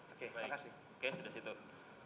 oke terima kasih